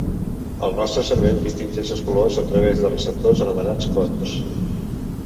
El nostre cervell distingeix els colors a través de receptors anomenats cons.